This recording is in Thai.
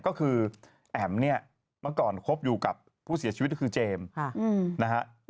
ก็คือแอ๋มเนี่ยเมื่อก่อนคบอยู่กับผู้เสียชีวิตก็คือเจมส์นะฮะ